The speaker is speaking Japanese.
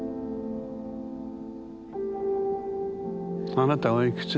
あなたおいくつ？